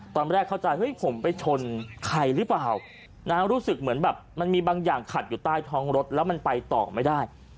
ตอนแรกเข้าใจเฮ้ยผมไปชนใครหรือเปล่านะรู้สึกเหมือนแบบมันมีบางอย่างขัดอยู่ใต้ท้องรถแล้วมันไปต่อไม่ได้